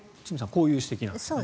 こういう指摘ですね。